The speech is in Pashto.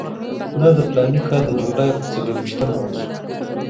دا د فلاني کال د جولای پر څلېرویشتمه وشو.